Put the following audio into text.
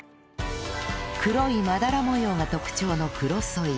黒いまだら模様が特徴のクロソイ